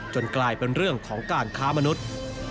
กลายเป็นเรื่องของการค้ามนุษย์